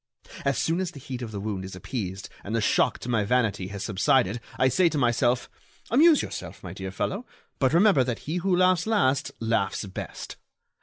As soon as the heat of the wound is appeased and the shock to my vanity has subsided I say to myself: 'Amuse yourself, my dear fellow, but remember that he who laughs last laughs best.